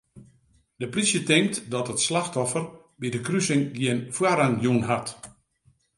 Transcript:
De plysje tinkt dat it slachtoffer by de krusing gjin foarrang jûn hat.